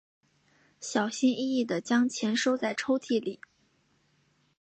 小心翼翼地将钱收在抽屉里